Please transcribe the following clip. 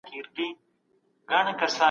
علم د معلوماتو پر بنسټ پرمختګ کوي.